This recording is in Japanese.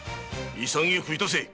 潔くいたせ！